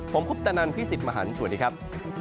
ผมคุปตะนันพี่สิทธิ์มหันฯสวัสดีครับ